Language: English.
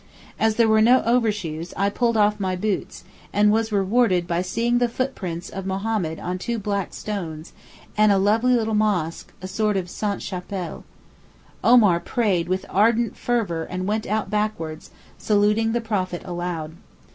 As there were no overshoes I pulled my boots off, and was rewarded by seeing the footprints of Mohammed on two black stones, and a lovely little mosque, a sort of Sainte Chapelle. Omar prayed with ardent fervour and went out backwards, saluting the Prophet aloud.